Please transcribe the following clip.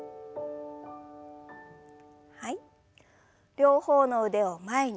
両方の腕を前に。